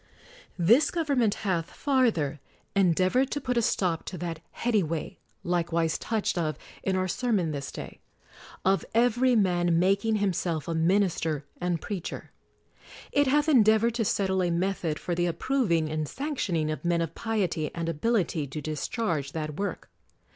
This government hath, farther, endeavored to put a stop to that heady way (likewise touched of in our sermon this day) of every man making himself a minister and preacher. It hath en deavored to settle a method for the approving and sanctioning of men of piety and ability to discharge that work.